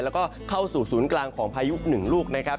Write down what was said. แล้วก็เข้าสู่ศูนย์กลางของพายุหนึ่งลูกนะครับ